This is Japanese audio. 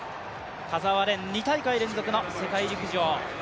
田澤廉、２大会連続の世界陸上。